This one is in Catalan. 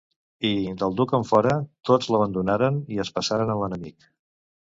I, del duc enfora, tots l'abandonaren i es passaren a l'enemic.